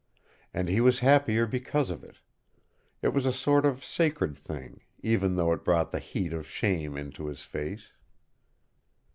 And he was happier because of it. It was a sort of sacred thing, even though it brought the heat of shame into his face.